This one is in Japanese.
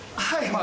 はい！